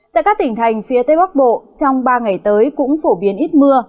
tại các tỉnh thành phía tây bắc bộ trong ba ngày tới cũng phổ biến ít mưa